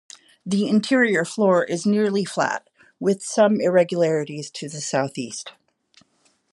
The interior floor is nearly flat, with some irregularities to the southeast.